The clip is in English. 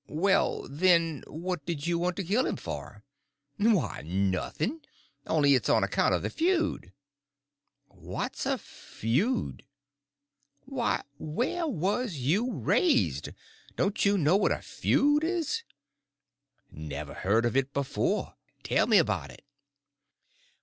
"Well, then, what did you want to kill him for?" "Why, nothing—only it's on account of the feud." "What's a feud?" "Why, where was you raised? Don't you know what a feud is?" "Never heard of it before—tell me about it."